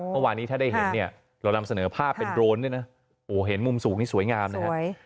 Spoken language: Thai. เมื่อวานนี้ถ้าได้เห็นเนี่ยเรานำเสนอภาพเป็นโรนด้วยนะโอ้โหเห็นมุมสูงนี่สวยงามนะฮะ